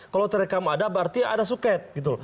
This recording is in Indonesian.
kalau terekam ada berarti ada suket